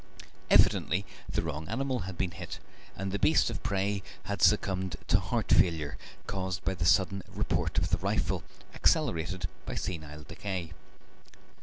Evidently the wrong animal had been hit, and the beast of prey had succumbed to heart failure, caused by the sudden report of the rifle, accelerated by senile decay.